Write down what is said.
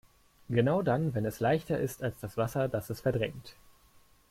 Genau dann, wenn es leichter ist als das Wasser, das es verdrängt.